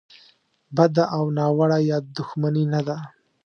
بده او ناوړه یا دوښمني نه ده.